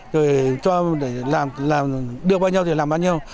đưa qua nhau thì làm bao nhiêu